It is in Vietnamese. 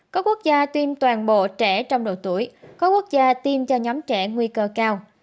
các quốc gia tiêm toàn bộ trẻ trong độ tuổi có quốc gia tiêm cho nhóm trẻ nguy cơ cao